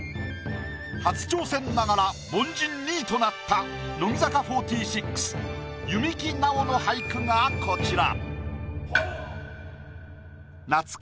初挑戦ながら凡人２位となった乃木坂４６弓木奈於の俳句がこちら。